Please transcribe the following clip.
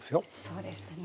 そうでしたね。